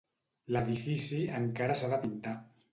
L'edifici encara s'ha de pintar.